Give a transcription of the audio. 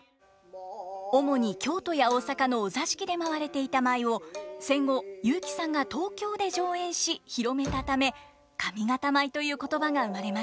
主に京都や大阪のお座敷で舞われていた舞を戦後雄輝さんが東京で上演し広めたため上方舞という言葉が生まれました。